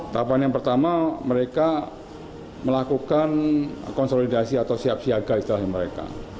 tahapan yang pertama mereka melakukan konsolidasi atau siap siaga istilahnya mereka